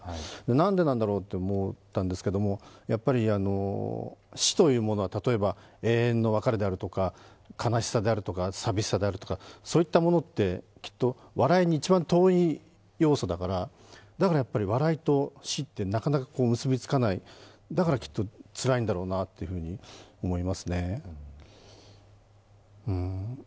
なんでなんだろうと思ったんですけど、死というものは例えば永遠の別れであるとか悲しさであるとかさみしさであるとか、そういったものってきっと笑いに一番遠い要素だからだからやっぱり笑いと死ってなかなか結びつかないだからきっとつらいんだろうなと思いますね。